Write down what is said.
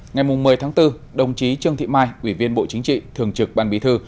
ngày một mươi tháng bốn đồng chí trương thị mai ủy viên bộ chính trị thường trực ban bí thư